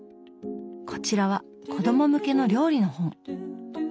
こちらは子供向けの料理の本。